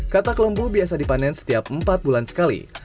katak lembu biasa dipanen setiap empat bulan sekali